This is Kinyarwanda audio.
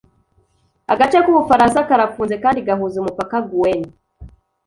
Agace k'Ubufaransa karafunze kandi gahuza umupaka Gauen